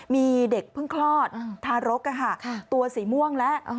มีเด็กเพิ่งคลอดทารกตัวสีม่วงแล้ว